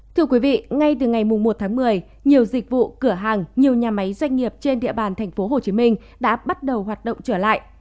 thưa quý vị ngay từ ngày một tháng một mươi nhiều dịch vụ cửa hàng nhiều nhà máy doanh nghiệp trên địa bàn thành phố hồ chí minh đã bắt đầu hoạt động trở lại